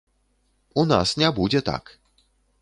У нас не будзе так.